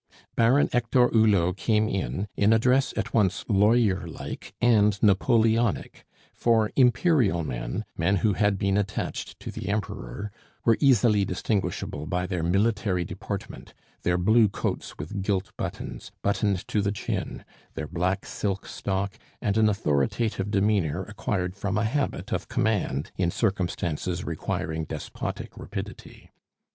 Baron Hector Hulot came in, in a dress at once lawyer like and Napoleonic, for Imperial men men who had been attached to the Emperor were easily distinguishable by their military deportment, their blue coats with gilt buttons, buttoned to the chin, their black silk stock, and an authoritative demeanor acquired from a habit of command in circumstances requiring despotic rapidity.